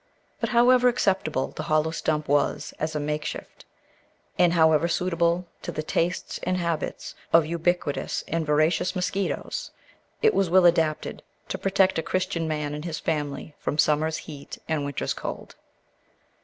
But however acceptable the hollow stump was as a makeshift, and however suitable to the tastes and habits of ubiquitous and voracious mosquitoes, it was ill adapted to protect a Christian man and his family from summer's heat and winter's cold.